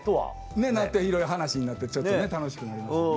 ねぇなっていろいろ話になってちょっと楽しくなりますよね。